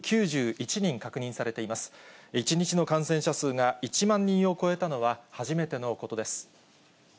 １日の感染者数が１万人を超えたのは初めてのことです。